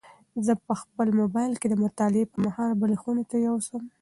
زه به خپل موبایل د مطالعې پر مهال بلې خونې ته یوسم.